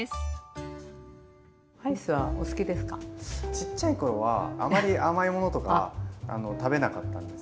ちっちゃい頃はあまり甘い物とか食べなかったんです